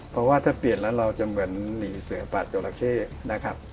เพราะว่าถ้าเปลี่ยนแล้วเราจะเหมือนหนีเสือปาดจราเข้นะครับ